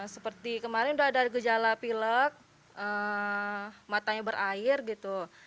seperti kemarin udah ada gejala pilek matanya berair gitu